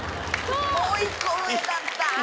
もう１個上だった！